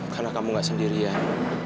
karena kamu gak sendirian